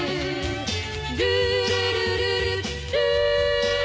「ルールルルルルー」